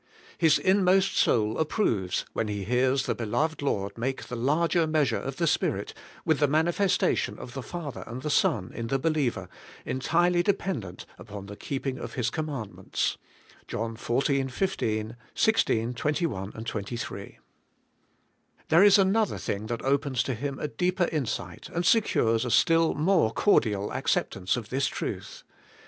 His inmost soul approves when he hears the beloved Lord make the larger meas ure of the Spirit, with the manifestation of the Father and the Son in the believer, entirely depend ent upon the keeping of His commandments {John xiv, 15, 16, 21, 28), There is another thing that opens to him a deeper insight and secures a still more cordial acceptance of this truth.